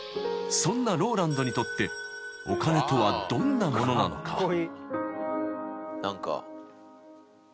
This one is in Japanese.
［そんなＲＯＬＡＮＤにとってお金とはどんなものなのか］